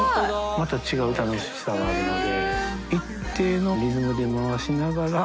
また違う楽しさがあるので。